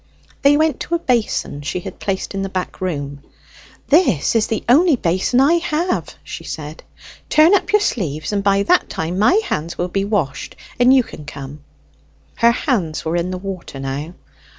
They went to a basin she had placed in the back room. "This is the only basin I have," she said. "Turn up your sleeves, and by that time my hands will be washed, and you can come." Her hands were in the water now.